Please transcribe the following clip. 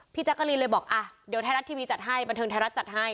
แจ๊กกะลีนเลยบอกอ่ะเดี๋ยวไทยรัฐทีวีจัดให้บันเทิงไทยรัฐจัดให้